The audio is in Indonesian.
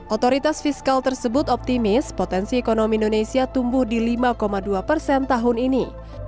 otoritas fiskal tersebut optimis potensi ekonomi indonesia tumbuh di lima dua persen tahun ini